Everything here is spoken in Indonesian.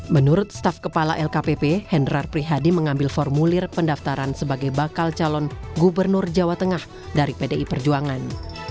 menurut staf kepala lkpp hendrar prihadi mengambil formulir pendaftaran sebagai bakal calon gubernur jawa tengah dari pdi perjuangan